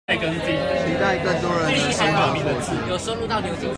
期待更多人能分享所學